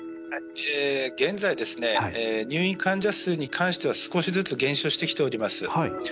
現在入院患者数に関しては少しずつ減少してきております。